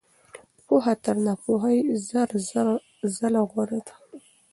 پوهه تر ناپوهۍ زر ځله غوره ده.